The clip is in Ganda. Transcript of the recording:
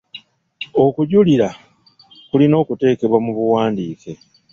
Okujulira kulina okuteekebwa mu buwandiike.